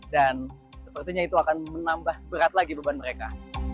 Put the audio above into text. sepertinya itu akan menambah berat lagi beban mereka